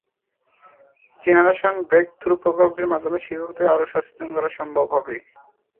Generation breakthrough প্রকল্পটির মাধ্যমে শিক্ষকদের আরও সচেতন করা সম্ভব হবে।